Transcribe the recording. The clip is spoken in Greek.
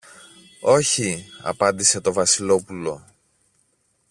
Όχι, απάντησε το Βασιλόπουλο.